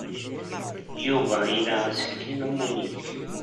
Yuba ila aselkim am win-nnek.